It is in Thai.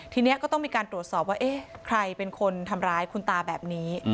ทีนี้ก็ต้องมีการตรวจสอบว่าเอ๊ะใครเป็นคนทำร้ายคุณตาแบบนี้